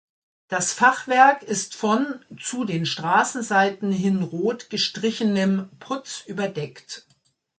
Das Fachwerk ist von zu den Straßenseiten hin rot gestrichenem Putz überdeckt.